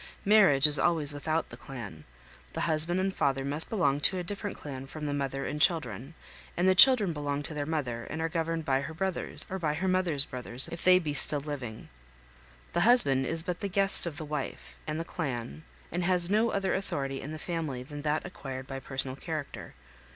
Marriage is always without the clan; the husband and father must belong to a different clan from the mother and children, and the children belong to their mother and are governed by her brothers, or by her mother's brothers if they be still living. The husband is but the guest of the wife and the clan, and has no other authority in the family than that acquired by personal character.